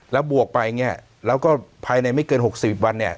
แล้วบวกไปเนี่ยแล้วก็ภายในไม่เกิน๖๐วันเนี่ย